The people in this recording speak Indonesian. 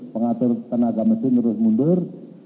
pengatur tenaga mesin terus mundur